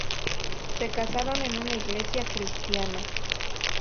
Se casaron en una iglesia cristiana.